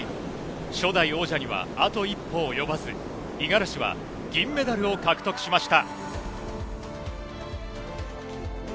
初代王者にはあと一歩及ばず、五十嵐は銀メダルを獲得しました。